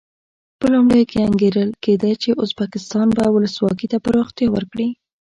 په لومړیو کې انګېرل کېده چې ازبکستان به ولسواکي ته پراختیا ورکړي.